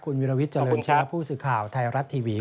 คุณวิรวิทย์เจริญเชื้อผู้สื่อข่าวไทยรัฐทีวี